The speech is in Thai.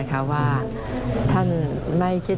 ไม่คิดจะขึ้นบริษัท